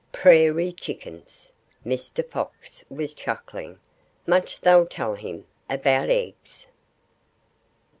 "Prairie Chickens!" Mr. Fox was chuckling. "Much they'll tell him about eggs!"